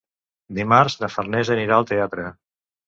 Dimarts na Farners anirà al teatre.